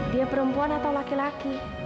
dia perempuan atau laki laki